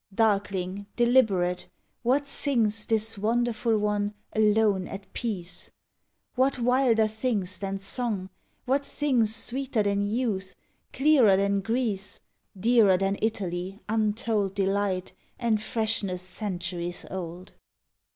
Darkling, deliberate, what sings This wonderful one, alone, at peace? What wilder things than song, what things Sweeter than youth, clearer than Greece, Dearer than Italy, untold Delight, and freshness centuries old?